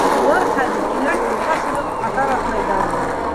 Улар хәҙер, киңерәк юлға сығып, ҡатар атлайҙар ине.